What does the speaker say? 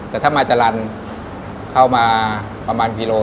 คือไม่ได้หยุดไม่ได้นั่งเลยเหรอ